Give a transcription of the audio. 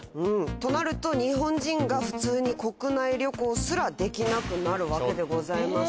となると日本人が普通に国内旅行すらできなくなるわけでございます。